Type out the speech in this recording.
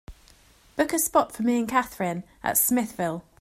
Book a spot for me and kathrine at Smithville